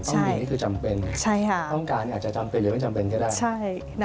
ต้องมีนี่คือจำเป็นต้องการนี่อาจจะจำเป็นหรือไม่จำเป็นก็ได้ใช่ค่ะ